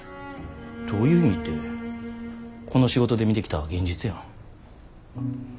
どういう意味ってこの仕事で見てきた現実やん。